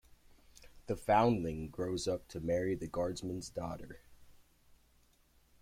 The foundling grows up to marry the guardsman's daughter.